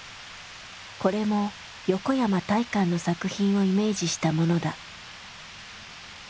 これも横山大観の作品をイメージしたものだ。